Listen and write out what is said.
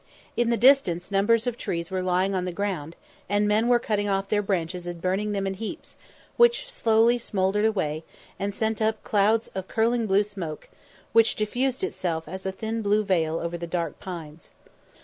In the distance numbers of trees were lying on the ground, and men were cutting off their branches and burning them in heaps, which slowly smouldered away, and sent up clouds of curling blue smoke, which diffused itself as a thin blue veil over the dark pines.